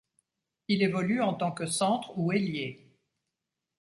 Il évolue en tant que centre ou ailier.